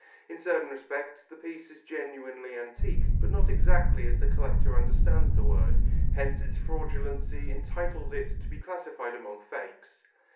In certain respects the piece is genuinely antique, but not exactly as the collector understands the word, hence its fraudulency entitles it to be classified among fakes.